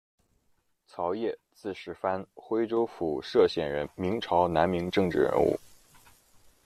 曹烨，字石帆，徽州府歙县人，明朝、南明政治人物。